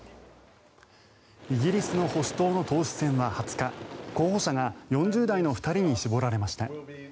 イギリスの保守党の党首選は２０日、候補者が４０代の２人に絞られました。